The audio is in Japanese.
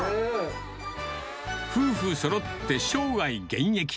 夫婦そろって生涯現役。